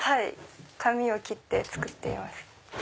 紙を切って作っています。